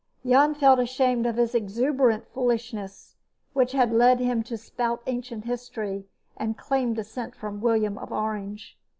Jan felt ashamed of the exuberant foolishness which had led him to spout ancient history and claim descent from William of Orange.